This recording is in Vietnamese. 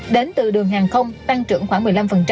đến từ đường hàng không tăng trưởng khoảng một mươi năm